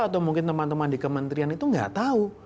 atau mungkin teman teman di kementerian itu nggak tahu